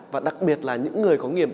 và đặc biệt là những người có nghiệp